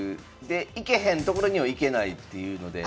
で行けへんところには行けないっていうので。